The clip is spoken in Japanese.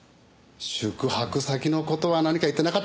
宿泊先の事は何か言ってなかったかな？